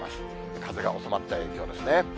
風が収まった影響ですね。